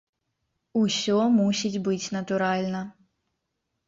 Усё мусіць быць натуральна.